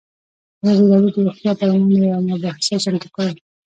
ازادي راډیو د روغتیا پر وړاندې یوه مباحثه چمتو کړې.